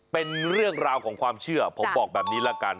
เป็นเรื่องราวของความเชื่อผมบอกแบบนี้ละกัน